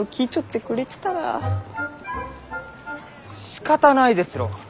しかたないですろう！